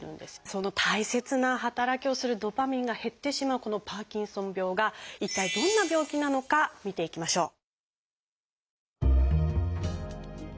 その大切な働きをするドパミンが減ってしまうこのパーキンソン病が一体どんな病気なのか見ていきましょう。